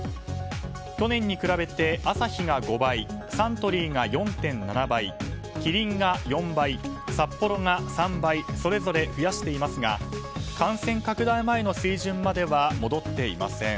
去年に比べてアサヒが５倍サントリーが４．７倍キリンが４倍、サッポロが３倍それぞれ増やしていますが感染拡大前の水準までは戻っていません。